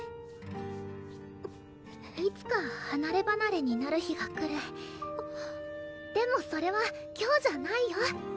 いつかはなればなれになる日が来るでもそれは今日じゃないよ